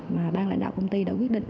mà ban lãnh đạo công ty đã quyết định